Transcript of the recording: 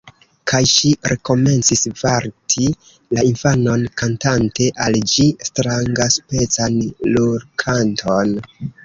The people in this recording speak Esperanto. Kaj ŝi rekomencis varti la infanon, kantante al ĝi strangaspecan lulkanton